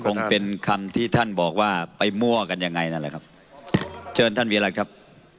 คงเป็นคำที่ท่านบอกว่าไปมั่วกันยังไงนั่นแหละครับเชิญท่านวิรัติครับ